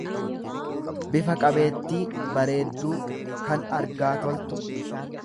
bifa qabeettii, bareedduu, kan argaa toltu.